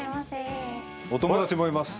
お友達もいます。